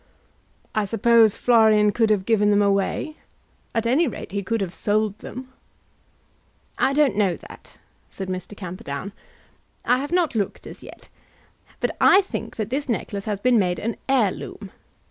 "I suppose Florian could have given them away. At any rate he could have sold them." "I don't know that," said Mr. Camperdown. "I have not looked as yet, but I think that this necklace has been made an heirloom.